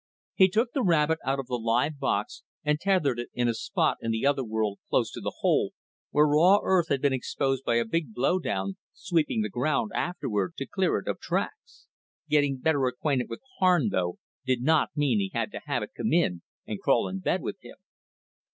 He took the rabbit out of the live box and tethered it in a spot in the other world close to the hole, where raw earth had been exposed by a big blowdown, sweeping the ground afterward to clear it of tracks. Getting better acquainted with the Harn, though, did not mean he had to have it come in and crawl in bed with him.